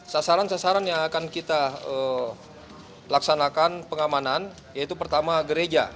sasaran sasaran yang akan kita laksanakan pengamanan yaitu pertama gereja